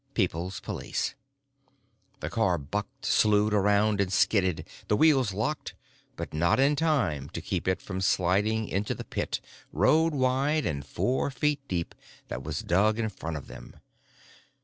——PEOPLE'S POLICE The car bucked, slewed around, and skidded. The wheels locked, but not in time to keep it from sliding into the pit, road wide and four feet deep, that was dug in front of them.